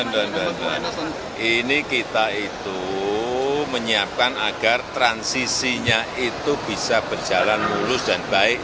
ini kita itu menyiapkan agar transisinya itu bisa berjalan mulus dan baik